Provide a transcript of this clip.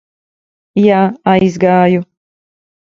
Jā, aizgāju.